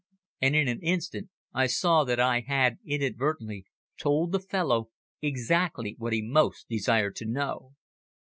And in an instant I saw that I had inadvertently told the fellow exactly what he most desired to know.